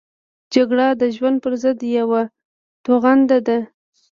جګړه د ژوند پرضد یوه توغنده ده